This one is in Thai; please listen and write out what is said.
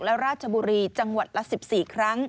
และราชบุรีจังหวัดละ๑๔ครั้ง